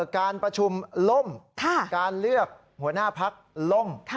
การประชุมล่มการเลือกหัวหน้าพักล่ม